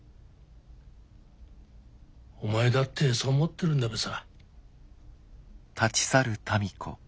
お前だってそう思ってるんだべさ。